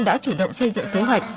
đã chủ động xây dựng kế hoạch